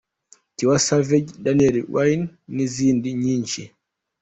Tiwa Savage’, ‘Daniella Whine’ n’izindi nyinshi.